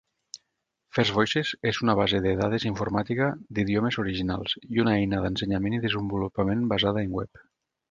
FirstVoices és una base de dades informàtica d'idiomes originals i una eina d'ensenyament i desenvolupament basada en web.